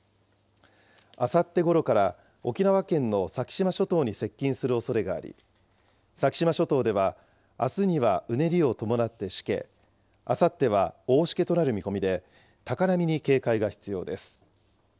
あさってごろから、沖縄県の先島諸島に接近するおそれがあり、先島諸島ではあすにはうねりを伴ってしけ、あさっては大しけとなる見込みで、高波に警戒が必要です。